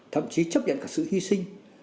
thậm chí chấp nhận cả sự hy sinh